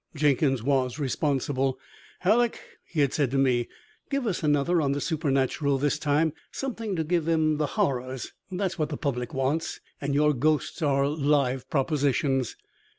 Jenkins was responsible. "Hallock," he had said to me, "give us another on the supernatural this time. Something to give 'em the horrors; that's what the public wants, and your ghosts are live propositions."